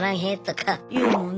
言うもんね。